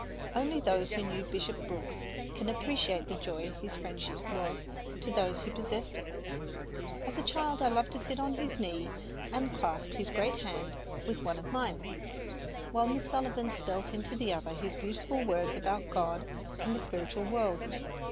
Only those who knew Bishop Brooks can appreciate the joy his friendship was to those who possessed it. As a child I loved to sit on his knee and clasp his great hand with one of mine, while Miss Sullivan spelled into the other his beautiful words about God and the spiritual world.